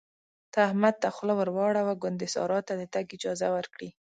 ته احمد ته خوله ور واړوه ګوندې سارا ته د تګ اجازه ورکړي.